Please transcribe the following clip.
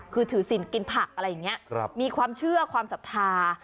คือถือสินกินผักอะไรอย่างนี้มีความเชื่อความศรัทธา